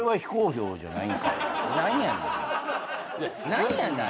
何やねん！？